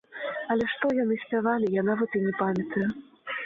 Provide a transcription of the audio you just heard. Але што яны спявалі, я нават і не памятаю.